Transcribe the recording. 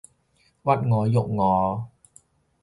屈我辱我